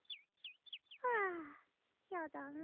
はあやだな。